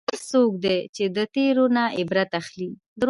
هوښیار څوک دی چې د تېرو نه عبرت اخلي.